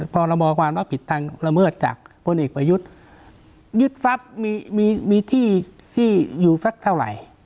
พรบความรับผิดทางละเมิดจากพลเอกประยุทธ์ยึดทรัพย์มีที่ที่อยู่สักเท่าไหร่